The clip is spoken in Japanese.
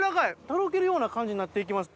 とろけるような感じになって行きます。